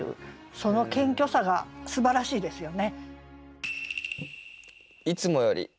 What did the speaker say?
その謙虚さがすばらしいですよね。